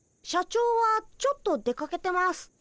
社長はちょっと出かけてます。